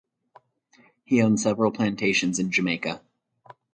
He owned several plantations in Jamaica.